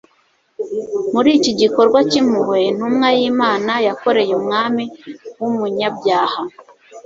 Muri iki gikorwa cyimpuhwe intumwa yImana yakoreye umwami wumunyabyaha